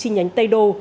nhánh tây đô